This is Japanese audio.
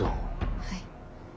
はい。